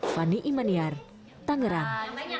fani imaniar tangerang